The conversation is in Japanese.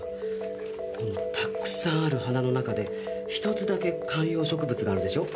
このたくさんある花の中で１つだけ観葉植物があるでしょう